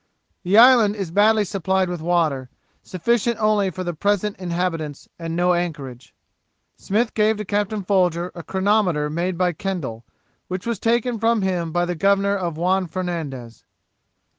The island is badly supplied with water, sufficient only for the present inhabitants, and no anchorage. 'Smith gave to Captain Folger a chronometer made by Kendall, which was taken from him by the Governor of Juan Fernandez.